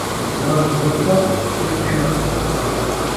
یار کھئوکا ، رکھے ناں پھکا